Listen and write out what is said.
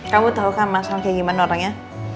kamu tahu kan masalah kayak gimana orangnya